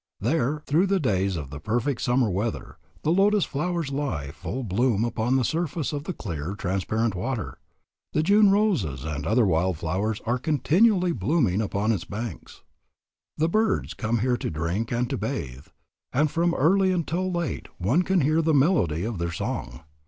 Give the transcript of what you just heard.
There, through the days of the perfect summer weather, the lotus flowers lie full blown upon the surface of the clear, transparent water. The June roses and other wild flowers are continually blooming upon its banks. The birds come here to drink and to bathe, and from early until late one can hear the melody of their song.